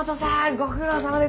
ご苦労さまです！